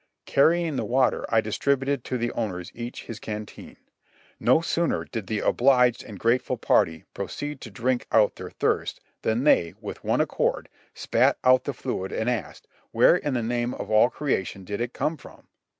Carrying the water, I distributed to the owners each his canteen. No sooner did the obliged and grateful party proceed to drink out their thirst than they, w^ith one accord, spit out the fluid, and asked, "Where in the name of all creation did it come from?"